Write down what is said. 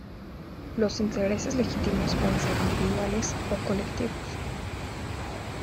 Los intereses legítimos pueden ser individuales o colectivos.